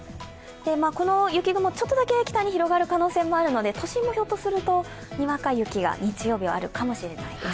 この雪雲、ちょっとだけ北に広がる可能性があるので、都心もひょっとするとにわか雪が日曜日はあるかもしれないです。